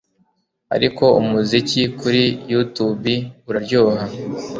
Ariko umuziki kuri yutubi uraryoha